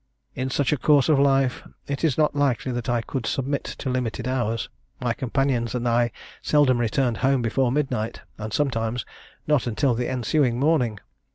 In such a course of life, it is not likely that I could submit to limited hours: my companions and I seldom returned home before midnight, and sometimes not until the ensuing morning.